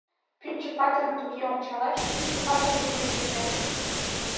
Пӱнчӧ-патырым туге ончалеш, Пӱнчӧ-патыр лӱдын туртеш.